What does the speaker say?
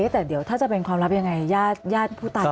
แต่เดี๋ยวถ้าจะเป็นความลับยังไงญาติผู้ตาย